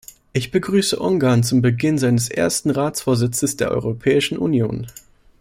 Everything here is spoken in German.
Ich begrüße Ungarn zum Beginn seines ersten Ratsvorsitzes der Europäischen Union.